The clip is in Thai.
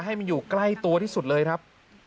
ให้มันอยู่ใกล้ตัวที่สุดเลยครับ